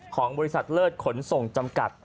ของบริษัทเลิศขนส่งจำกัด